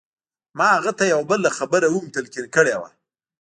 ما هغه ته یوه بله خبره هم تلقین کړې وه